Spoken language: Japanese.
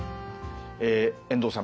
遠藤さん